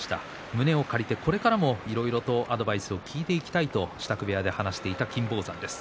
胸を借りて、これからもいろいろとアドバイスを聞いていきたいと支度部屋で話していた金峰山です。